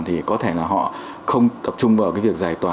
thì có thể là họ không tập trung vào cái việc giải tỏa